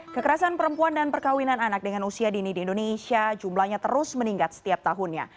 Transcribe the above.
kekerasan perempuan dan perkawinan anak dengan usia dini di indonesia jumlahnya terus meningkat setiap tahunnya